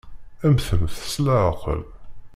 Mmtemt s leɛqel!